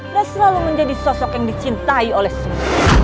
dan selalu menjadi sosok yang dicintai oleh semua